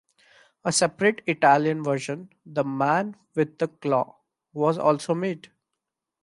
A separate Italian version "The Man with the Claw" was also made.